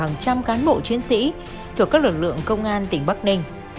hàng trăm cán bộ chiến sĩ thuộc các lực lượng công an tỉnh bắc ninh